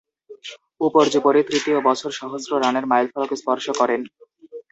উপর্যুপরী তৃতীয় বছর সহস্র রানের মাইলফলক স্পর্শ করেন।